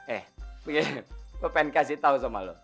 eh gue pengen kasih tau sama lo